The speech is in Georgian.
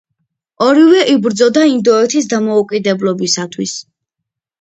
ორივე იბრძოდა ინდოეთის დამოუკიდებლობისათვის.